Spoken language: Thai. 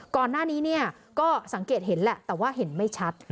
ก่อนหน้านี้เนี่ยก็สังเกตเห็นแหละแต่ว่าเห็นไม่ชัด